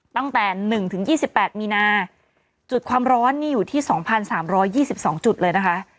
ตั้งแต่๑๒๘มีนาจุดความร้อนนี่อยู่ที่๒๓๒๒จุดเลยนะคะ